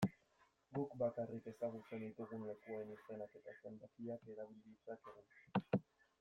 Guk bakarrik ezagutzen ditugun lekuen izenak eta zenbakiak erabil ditzakegu.